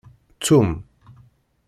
Ttum!